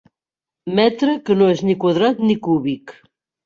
Metre que no és ni quadrat ni cúbic.